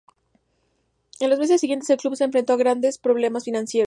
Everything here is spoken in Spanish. En los meses siguientes, el club se enfrentó a graves problemas financieros.